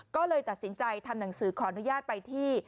ก็เลยตัดสินใจทำหนังสือขออนุญาตไปที่